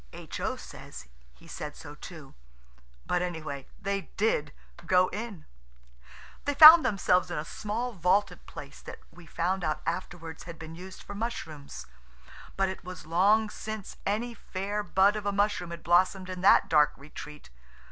H.O. says he said so too. But any way, they did go in. They found themselves in a small vaulted place that we found out afterwards had been used for mushrooms. But it was long since any fair bud of a mushroom had blossomed in that dark retreat.